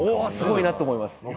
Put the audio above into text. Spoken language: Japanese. すごいなって思います」